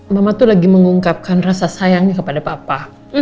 mama tuh lagi mengungkapkan rasa sayangnya kepada bapak